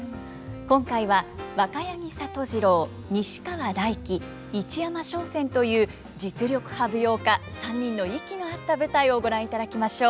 今回は若柳里次朗西川大樹市山松扇という実力派舞踊家３人の息の合った舞台をご覧いただきましょう。